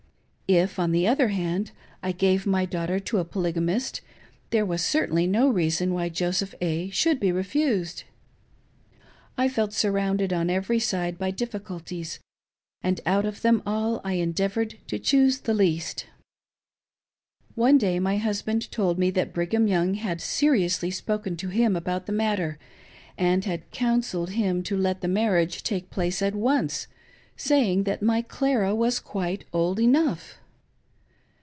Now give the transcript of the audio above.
If, on the other hand, I gave my daughter to a polygamist, there was' certainly no reason why Joseph A. should be refused. I felt surrounded on every side by difficulties, and out of them all I endeavored to choose the least. One day my husband told me that Brigham Young had se riously spoken to him about the matter, and had " counselled " him to let the marriage take place at once, saying that my Clara was quite old enough.